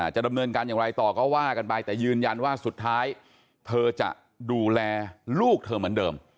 จะดำเนินการอย่างไรต่อก็ว่ากันไปแต่ยืนยันว่าสุดท้ายเธอจะดูแลลูกเธอเหมือนเดิม